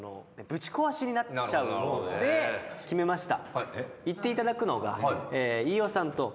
決めました。